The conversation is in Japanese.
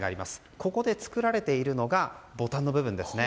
ここで作られているのがボタンの部分ですね。